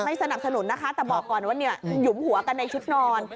สนับสนุนนะคะแต่บอกก่อนว่าเนี่ยหยุมหัวกันในชุดนอน